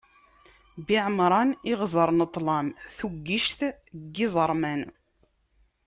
Biɛemṛan, iɣzeṛ n ṭṭlam, tuggict n yiẓerman.